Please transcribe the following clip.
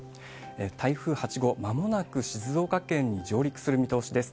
台風８号、まもなく静岡県に上陸する見通しです。